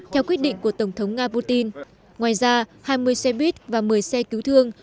theo quyết định của tổng thống nga putin ngoài ra hai mươi xe buýt và một mươi xe cứu thương